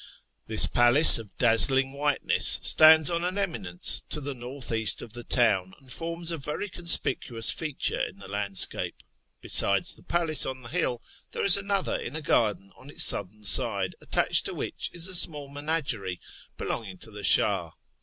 This palace, of dazzling whiteness, stands on an eminence to the north east of the town, and forms a very conspicuous feature in the landscape. Besides the palace on the hill, there is another in a garden on its southern side, attached to which is a small menagerie belonging to the Shah.